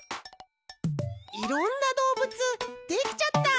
いろんなどうぶつできちゃった！